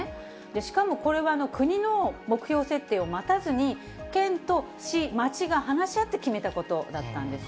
しかもこれは、国の目標設定を待たずに、県と市、町が話し合って決めたことだったんです。